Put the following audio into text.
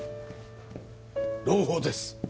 朗報です